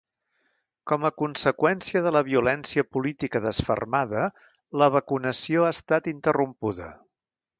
Com a conseqüència de la violència política desfermada, la vacunació ha estat interrompuda.